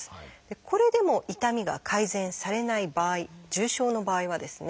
これでも痛みが改善されない場合重症の場合はですね